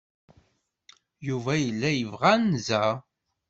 Yuba yella yebɣa anza.